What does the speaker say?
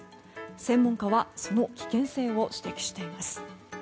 専門家はその危険性を指摘しています。